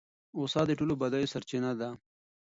غصه د ټولو بدیو سرچینه ده.